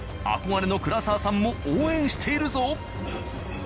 憧れの倉澤さんも応援しているぞ。